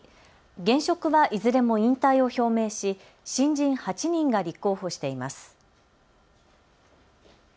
現職はいずれも引退を表明し新人８人が立候補しています。